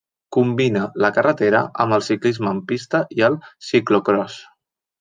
Combina la carretera amb el ciclisme en pista i el ciclocròs.